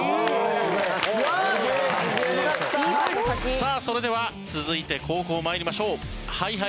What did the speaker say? さあそれでは続いて後攻参りましょう。